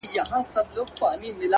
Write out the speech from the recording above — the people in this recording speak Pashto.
اخلاق د نوم تر شهرت ارزښتمن دي